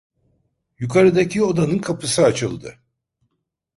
Yukarıdaki odanın kapısı açıldı.